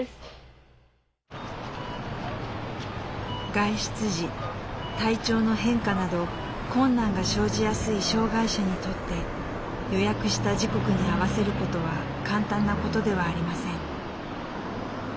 外出時体調の変化など困難が生じやすい障害者にとって予約した時刻に合わせることは簡単なことではありません。